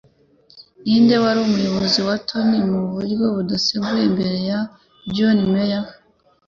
Ninde wari Umuyobozi wa Tory mu buryo butaziguye imbere ya John Major